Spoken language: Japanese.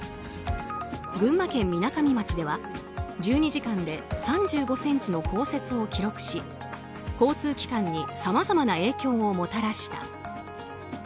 群馬県みなかみ町では１２時間で３５ｃｍの降雪を記録し、交通機関にさまざまな影響をもたらした。